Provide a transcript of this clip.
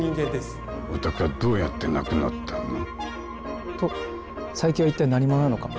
お宅はどうやって亡くなったの？と佐伯は一体何者なのか。